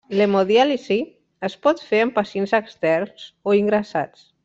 L'hemodiàlisi es pot fer amb pacients externs o ingressats.